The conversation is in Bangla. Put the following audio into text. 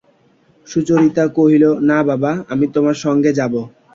সুচরিতা কহিল, না বাবা, আমি তোমার সঙ্গে যাব।